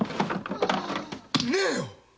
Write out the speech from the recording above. ねえよ！？